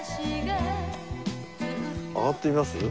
上がってみます？